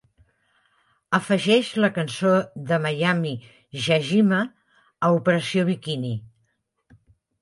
Afegeix la cançó de Maimi Yajima a Operación Bikini.